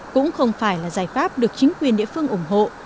cũng không phải là giải pháp được chính quyền địa phương ủng hộ